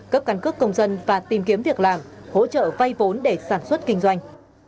cấp căn cước công dân và tìm kiếm việc làm hỗ trợ vay vốn để sản xuất kinh doanh